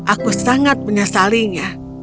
aku sangat menyesalinya